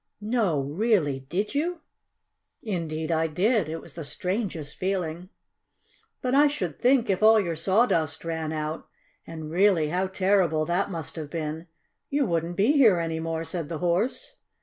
"No! Really? Did you?" "Indeed I did. It was the strangest feeling!" "But I should think, if all your sawdust ran out and, really, how terrible that must have been you wouldn't be here any more," said the Horse.